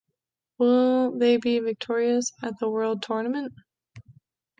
Will they be victorious at the world tournament?